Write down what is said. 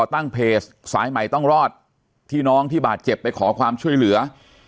ตั้งเพจสายใหม่ต้องรอดที่น้องที่บาดเจ็บไปขอความช่วยเหลือ